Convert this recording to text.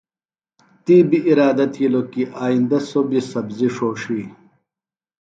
تی بیۡ ارادہ تِھیلوۡ کی آئیندہ سوۡ بیۡ سبزیۡ ݜوݜی۔